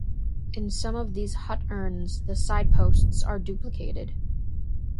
In some of these hut-urns the side-posts are duplicated.